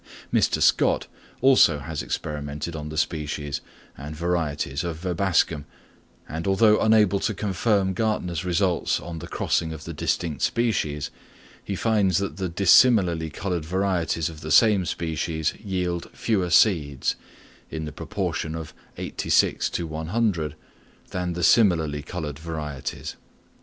Mr. Scott also has experimented on the species and varieties of Verbascum; and although unable to confirm Gärtner's results on the crossing of the distinct species, he finds that the dissimilarly coloured varieties of the same species yield fewer seeds, in the proportion of eighty six to 100, than the similarly coloured varieties.